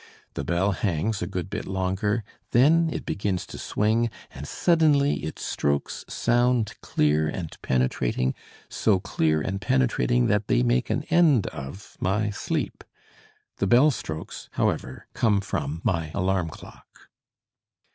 The bell hangs a good bit longer, then it begins to swing, and suddenly its strokes sound clear and penetrating, so clear and penetrating that they make an end of my sleep. The bell strokes, however, come from my alarm clock.